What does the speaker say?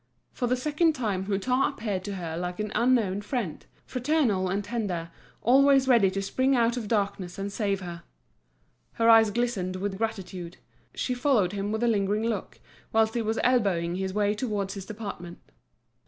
For the second time Hutin appeared to her like an unknown friend, fraternal and tender, always ready to spring out of darkness and save her. Her eyes glistened with gratitude; she followed him with a lingering look, whilst he was elbowing his way towards his department.